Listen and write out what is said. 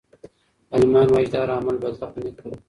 عالمان وایي چې د هر عمل بدله په نیت پورې ده.